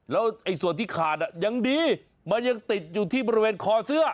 แล้วส่วนที่ขาดยังดีมันยังติดอยู่ที่บริเวณคอเสื้อ